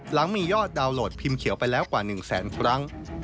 หลังมียอดดาวน์โหลดพิมพ์เขียวไปแล้วกว่า๑แสนครั้ง